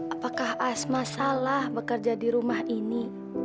apakah asma salah bekerja di rumah ini